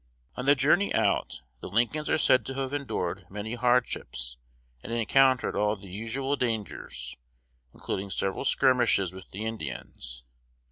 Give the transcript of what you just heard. On the journey out, the Lincolns are said to have endured many hardships and encountered all the usual dangers, including several skirmishes with the Indians.